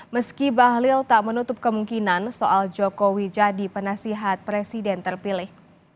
meski bahlil tak menutup kemungkinan soal jokowi jadi penasihat presiden terpilih